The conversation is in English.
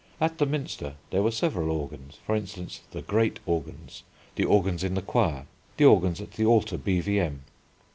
At the Minster there were several organs, for instance "the great organs," "the organs in the Choir," "the organs at the Altar B.V.M."